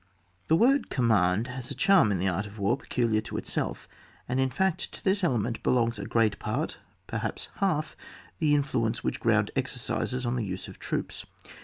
Thb word " oommand '* has a charm in the art of war peculiar to itself, and in fact to this element belongs a great part, perhaps half the influence which ground exercises on the use of troops.